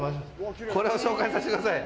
これを紹介させてください。